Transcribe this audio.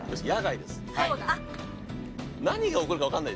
何が起こるか分かんないです。